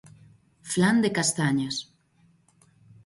Flan de castañas.